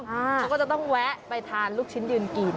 เขาก็จะต้องแวะไปทานลูกชิ้นยืนกิน